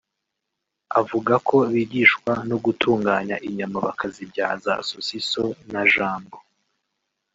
Avuga ko bigishwa no gutunganya inyama bakazibyaza sosiso na jambo